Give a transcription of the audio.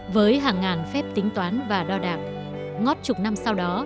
với hàng ngàn phép tính toán và đo đạc ngót chục năm sau đó